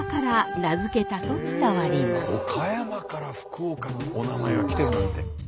岡山から福岡のお名前が来てるなんて。